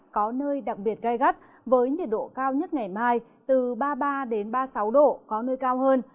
có nơi đặc biệt gai gắt với nhiệt độ cao nhất ngày mai từ ba mươi ba ba mươi sáu độ có nơi cao hơn